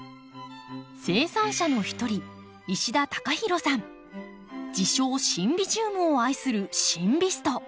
生産者の一人自称シンビジウムを愛するシンビスト。